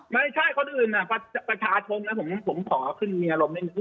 ไม่ใช่คนอื่นประชาชนนะผมขอขึ้นมีอารมณ์นิดนึง